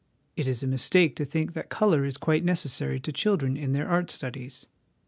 It is a mistake to think that colour is quite necessary to children in their art studies.